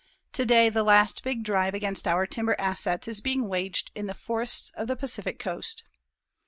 Today, the last big drive against our timber assets is being waged in the forests of the Pacific Coast.